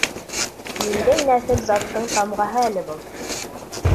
Ниндәй нәҫел-заттың тамғаһы әле был?